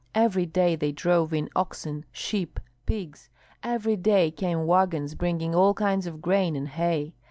Every day they drove in oxen, sheep, pigs; every day came wagons bringing all kinds of grain and hay.